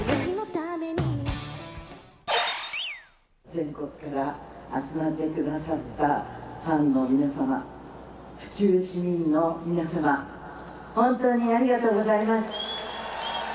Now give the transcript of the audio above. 全国から集まってくださったファンの皆様、府中市民の皆様、本当にありがとうございます！